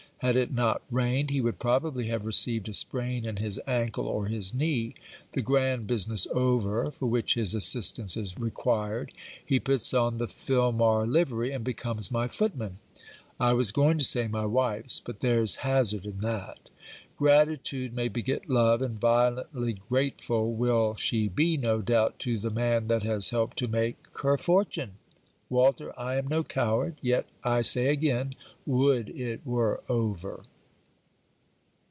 Had it not rained, he would probably have received a sprain in his ancle, or his knee. The grand business over, for which his assistance is required, he puts on the Filmar livery, and becomes my footman. I was going to say my wife's, but there's hazard in that. Gratitude may beget love; and violently grateful will she be, no doubt, to the man that has helped to make her fortune. Walter, I am no coward: yet, I say again, would it were over!